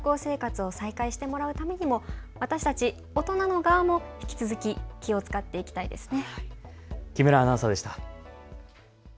子どもたちに安心して学校生活を再開してもらうためにも私たち大人の側も引き続き気を遣っていきたいですね。